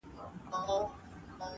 یا خو غښتلی یا بې اثر یې-